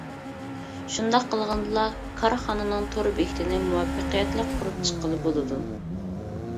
شۇنداق قىلغاندىلا، كارخانىنىڭ تور بېكىتىنى مۇۋەپپەقىيەتلىك قۇرۇپ چىققىلى بولىدۇ.